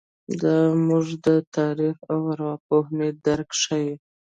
دا زموږ د تاریخ او ارواپوهنې درک ښيي.